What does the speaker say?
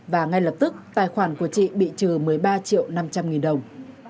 và ngay lập tức tài khoản của chị bị trừ một mươi ba triệu năm trăm linh nghìn đồng